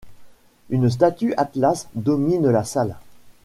Une statue Atlas domine la salle.